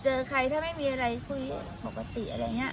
เจอใครไม่เคยมีอะไรคอนแบบปกติ